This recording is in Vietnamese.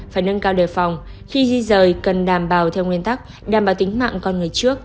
phải nâng cao đề phòng khi di rời cần đảm bảo theo nguyên tắc đảm bảo tính mạng con người trước